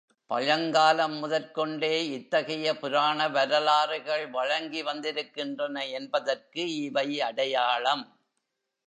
பழங்காலம் முதற்கொண்டே இத்தகைய புராண வரலாறுகள் வழங்கி வந்திருக்கின்றன என்பதற்கு இவை அடையாளம்.